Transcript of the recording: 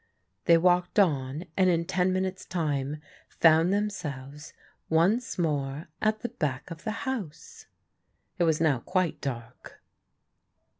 They walked on and in ten minutes' time found themselves once more at the back of the house. It was now quite dark.